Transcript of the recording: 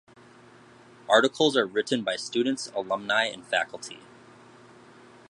Articles are written by students, alumni and faculty.